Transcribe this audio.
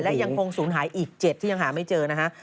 และยังคงสูญหายอีก๗ที่ยังหาไม่เจอนะฮะ